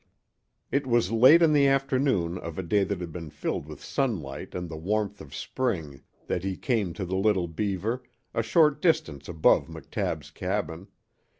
It was late in the afternoon of a day that had been filled with sunlight and the warmth of spring that he came to the Little Beaver, a short distance above McTabb's cabin.